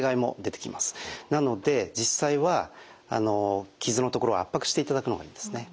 なので実際は傷の所を圧迫していただくのがいいんですね。